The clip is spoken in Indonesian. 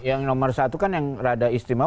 yang nomor satu kan yang rada istimewa